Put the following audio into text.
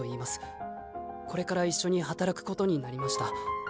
これから一緒に働くことになりました。